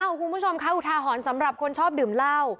คุณผู้ชมคะอุทาหรณ์สำหรับคนชอบดื่มเหล้า